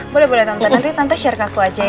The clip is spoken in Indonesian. boleh boleh nonton nanti tante share ke aku aja ya